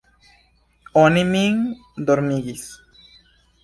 Oni min dormigis.